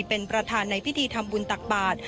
เป็นประธานในพิธีทำบุญตักบาท